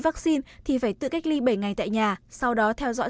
vaccine thì phải tự cách ly bảy ngày tại nhà sau đó theo dõi